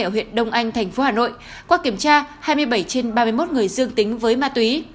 ở huyện đông anh thành phố hà nội qua kiểm tra hai mươi bảy trên ba mươi một người dương tính với ma túy